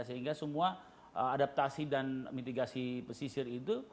sehingga semua adaptasi dan mitigasi pesisir itu